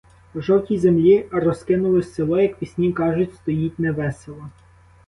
По жовтій землі розкинулось село, — як пісні кажуть, стоїть невесело.